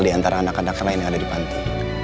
diantara anak anak lain yang ada di panti